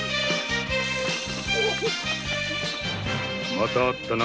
また会ったな